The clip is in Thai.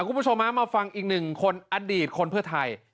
คุณผู้ชมมาฟังอีกหนึ่งคนอดีตคนเพื่อไทย